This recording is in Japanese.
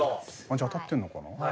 じゃあ当たってんのかな？